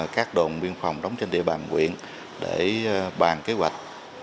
các đồn biên phòng đóng trên địa bàn huyện để bàn kế hoạch